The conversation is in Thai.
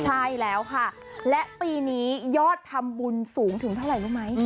ใช่แล้วค่ะและปีนี้ยอดทำบุญสูงถึงเท่าไหร่รู้ไหม